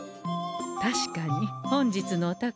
確かに本日のお宝